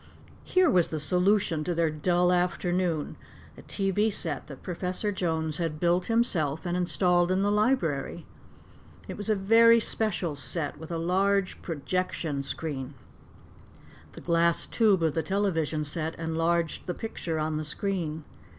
Here was the solution to their dull afternoon a television set that Professor Jones had built himself and installed in the library. It was a very special set with a large "projection screen." The glass tube of the television set enlarged the picture on the screen.